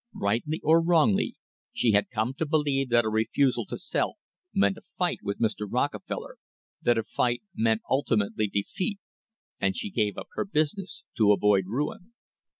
Rightly or wrongly she had come to believe that a refusal to sell meant a fight with Mr. Rockefeller, that a fight meant ultimately defeat, and she gave up her business to avoid ruin.